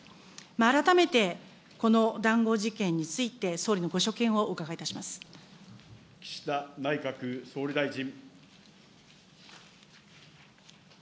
改めて、この談合事件について、岸田内閣総理大臣。